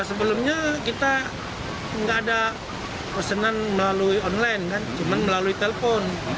sebelumnya kita nggak ada pesanan melalui online kan cuma melalui telepon